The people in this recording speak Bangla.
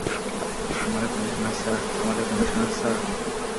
আমাদের কমিশনার স্যার?